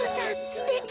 すてき。